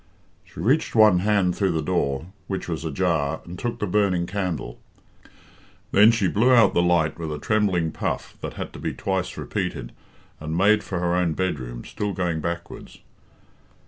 She reached one hand through the door, which was ajar, and took the burning candle. Then she blew out the light with a trembling puff, that had to be twice repeated, and made for her own bedroom, still going backwards.